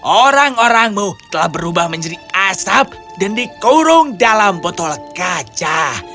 orang orangmu telah berubah menjadi asap dan dikurung dalam botol kaca